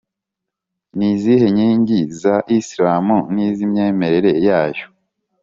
ni izihe nkingi za isilamu n’iz’imyemerere yayo?